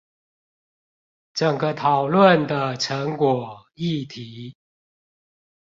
整個討論的成果丶議題